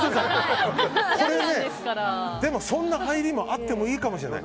これ、でもそんな入りがあってもいいかもしれない。